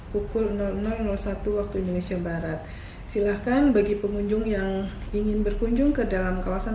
pukul satu waktu indonesia barat silahkan bagi pengunjung yang ingin berkunjung ke dalam kawasan